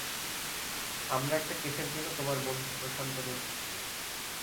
আমরা একটা কেসের জন্য তোমার বন্ধু প্রশান্তকে খুঁজছি।